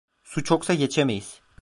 Su çoksa geçemeyiz…